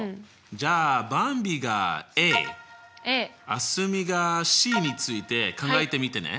じゃあばんびが蒼澄がｃについて考えてみてね。